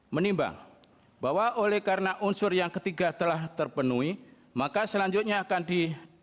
menimbang bahwa oleh karena unsur yang ketiga telah terpenuhi